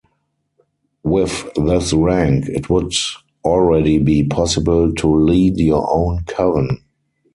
With this rank, it would already be possible to lead your own coven.